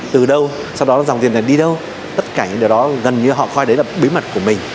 từ đâu sau đó dòng tiền này đi đâu tất cả những điều đó gần như họ coi đấy là bí mật của mình